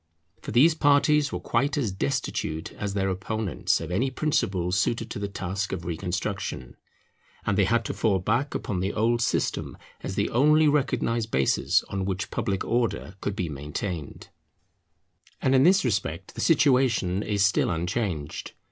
For these parties were quite as destitute as their opponents of any principles suited to the task of reconstruction; and they had to fall back upon the old system as the only recognized basis on which public Order could be maintained. [Danger of attempting political reconstruction before spiritual] And in this respect the situation is still unchanged.